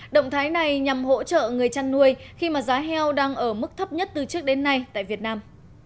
động thái này nhằm hỗ trợ người chăn nuôi khi mà giá heo đang ở mức thấp nhất từ trước đến nay tại việt nam